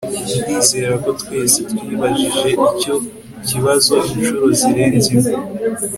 ndizera ko twese twibajije icyo kibazo inshuro zirenze imwe